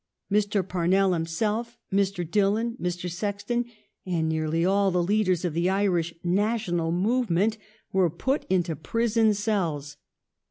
Mr. Parnell himself, Mr. Dillon, Mr. Sexton, and nearly all the leaders of the Irish National movement were put into prison cells.